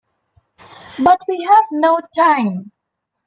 But we have no time.